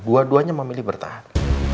dua duanya memilih bertahan